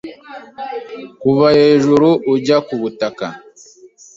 kuva hejuru ujya ku butaka